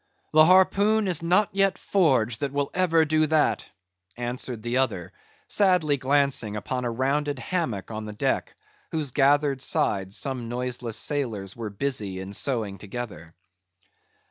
"The harpoon is not yet forged that ever will do that," answered the other, sadly glancing upon a rounded hammock on the deck, whose gathered sides some noiseless sailors were busy in sewing together.